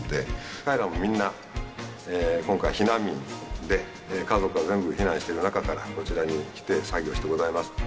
彼らもみんな、今回、避難民で、家族も全部避難してる中から、こちらに来て、作業してございま